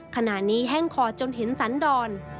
ขณะนี้แห้งคอจนเห็นสันดร